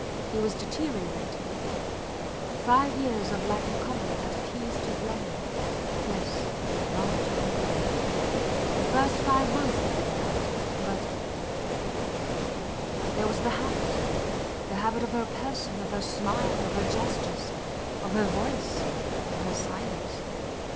He was deteriorating. Five years of life in common had appeased his longing. Yes, long time ago. The first five months did that but ... There was the habit the habit of her person, of her smile, of her gestures, of her voice, of her silence.